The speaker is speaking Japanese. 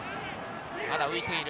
まだ浮いている。